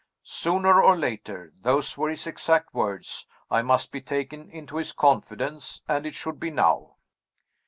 Sooner or later (those were his exact words) I must be taken into his confidence and it should be now.